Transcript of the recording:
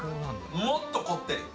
もっとこってり。